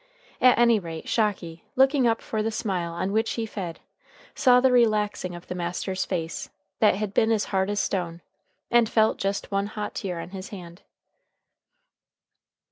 At any rate, Shocky, looking up for the smile on which he fed, saw the relaxing of the master's face, that had been as hard as stone, and felt just one hot tear on his hand.